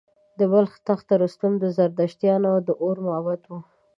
د بلخ د تخت رستم د زردشتیانو د اور معبد و